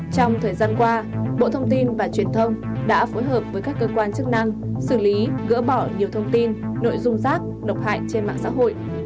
trong thời gian qua bộ thông tin và truyền thông đã phối hợp với các cơ quan chức năng xử lý gỡ bỏ nhiều thông tin nội dung giác độc hại trên mạng xã hội